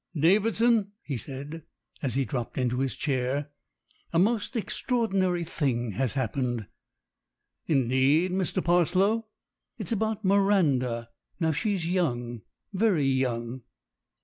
"Davidson," he said, as he dropped into his chair, "a most extraordinary thing has happened." "Indeed, Mr. Parslow?" "It's about Miranda. Now, she's young." "Very young."